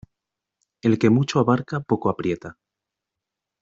El que mucho abarca poco aprieta.